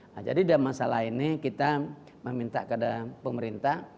nah jadi dalam masa lainnya kita meminta kepada pemerintah